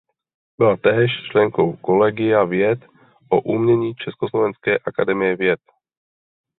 Byla též členkou kolegia věd o umění Československé akademie věd.